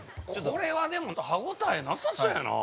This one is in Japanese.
これはでも歯応えなさそうやな。